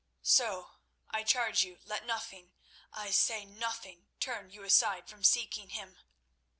So, I charge you, let nothing—I say nothing—turn you aside from seeking him.